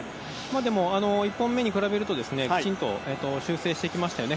でも１本目に比べるときちんと修正してきましたよね。